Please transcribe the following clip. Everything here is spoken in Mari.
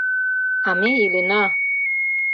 А ме илена!